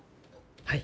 はい。